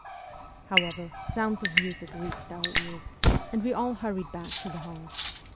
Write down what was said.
However, sounds of music reached our ears, and we all hurried back to the hall.